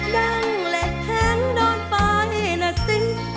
ดังเหล็กแท้งโดนไปนะสิ